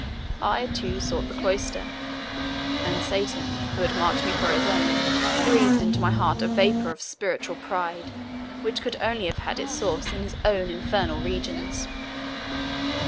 I too sought the cloister; and Satan, who had marked me for his own, breathed into my heart a vapour of spiritual pride, which could only have had its source in his own infernal regions.